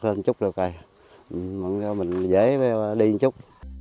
mình dễ đi một chút